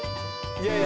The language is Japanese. いやいや。